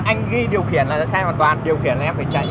anh ghi điều khiển là sai hoàn toàn điều khiển là em phải chạy